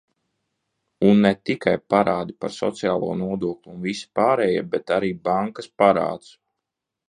Un ne tikai parādi par sociālo nodokli un visi pārējie, bet arī bankas parāds!